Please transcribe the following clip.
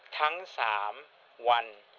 ทั้ง๓วัน